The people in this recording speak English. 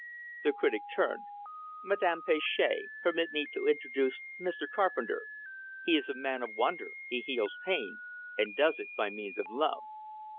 The critic turned. "Madame Planchet, permit me to introduce Mr. Carpenter. He is a man of wonder, he heals pain, and does it by means of love."